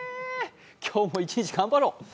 今日も一日頑張ろう！